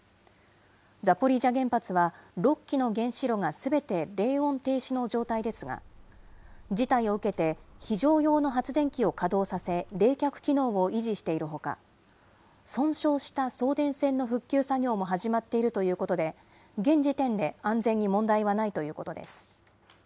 ザポリージャ原発は、６基の原子炉がすべて冷温停止の状態ですが、事態を受けて、非常用の発電機を稼働させ、冷却機能を維持しているほか、損傷した送電線の復旧作業も始まっているということで、現時点で安全に問題はないということです。